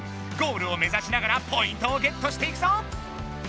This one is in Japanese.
ゴールを目指しながらポイントをゲットしていくぞ！